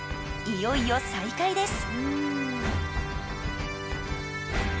いよいよ再会です